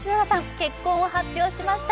結婚を発表しました。